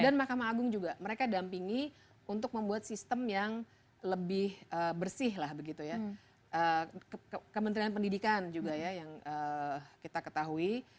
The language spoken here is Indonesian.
dan mahkamah agung juga mereka dampingi untuk membuat sistem yang lebih bersih lah begitu ya kementerian pendidikan juga ya yang kita ketahui